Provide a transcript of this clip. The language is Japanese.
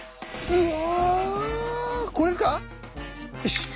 うわ！